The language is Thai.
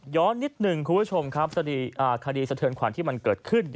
นิดหนึ่งคุณผู้ชมครับคดีสะเทินขวัญที่มันเกิดขึ้น